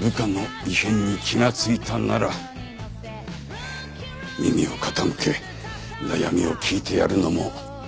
部下の異変に気がついたなら耳を傾け悩みを聞いてやるのも上司の役目だぞ。